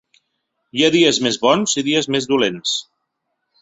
Hi ha dies més bons i dies més dolents.